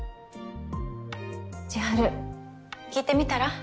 千晴聞いてみたら？